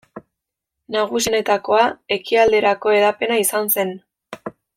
Nagusienetakoa ekialderako hedapena izan zen.